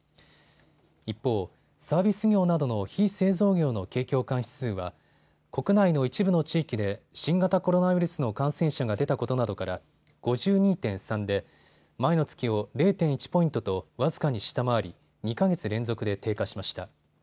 一方、サービス業などの非製造業の景況感指数は国内の一部の地域で新型コロナウイルスの感染者が出たことなどから５２．３で前の月を０．１ポイントと僅かに下回り、２か月連続で低下しました。